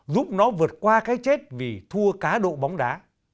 giúp nó vượt qua cái chết vì thua cá độ bóng đá